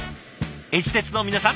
えち鉄の皆さん